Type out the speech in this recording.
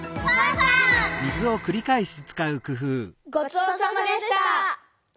ごちそうさまでした。